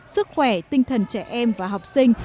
sức khỏe tinh thần trẻ em và học sinh